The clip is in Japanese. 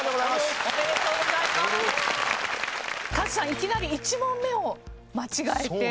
いきなり１問目を間違えて。